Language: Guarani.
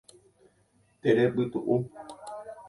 Terepytu'u